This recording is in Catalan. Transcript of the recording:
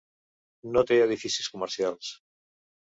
No té edificis comercials.